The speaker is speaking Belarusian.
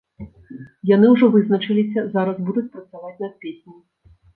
Яны ўжо вызначыліся, зараз будуць працаваць над песняй.